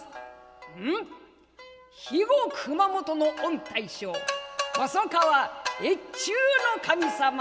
「ん肥後熊本の御大将細川越中守様